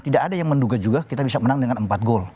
tidak ada yang menduga juga kita bisa menang dengan empat gol